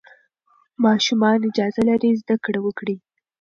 ماشومان اجازه لري زده کړه وکړي.